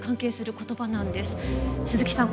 鈴木さん